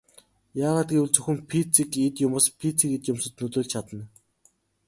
Яагаад гэвэл зөвхөн физик эд юмс физик эд юмсад нөлөөлж чадна.